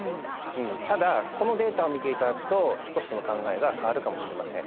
ただこのデータを見ていただくと少しその考えが変わるかもしれません。